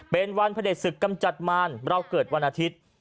เป็นวันพระเด็จศึกกำจัดมารเราเกิดวันอาทิตย์